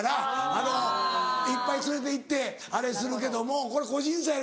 ・あぁ・いっぱい連れていってあれするけどもこれ個人差や。